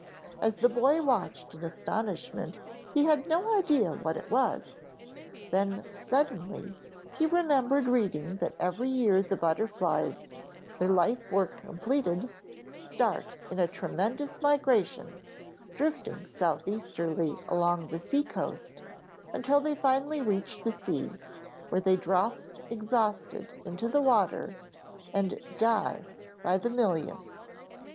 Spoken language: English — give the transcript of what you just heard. As the boy watched in astonishment he had no idea of what it was, then suddenly he remembered reading that every year the butterflies, their life work completed, start in a tremendous migration, drifting southeasterly along the sea coast until they finally reach the sea, where they drop exhausted into the water and die by the millions.